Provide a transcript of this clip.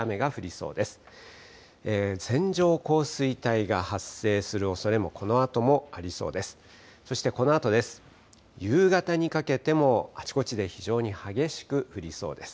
そしてこのあとです。